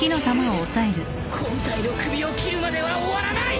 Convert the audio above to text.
本体の首を斬るまでは終わらない！